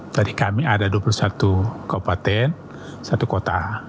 jadi kami ada dua puluh satu kabupaten satu kota